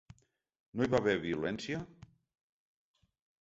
No hi va haver violència?